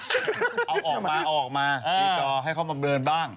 ก็เอาออกมาออกมาหรือทอให้เขามาเบิร์นบ้าง